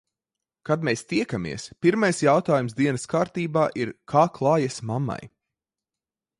Kad mēs tiekamies, pirmais jautājums dienas kārtībā ir - kā klājas mammai?